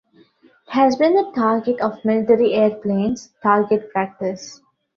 It has been the target of military airplanes' target practice.